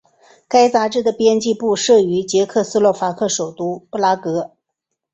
该杂志的编辑部设于捷克斯洛伐克首都布拉格。